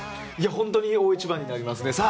本当に大一番になりますね。